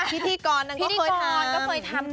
พิธีกรก็เคยทำ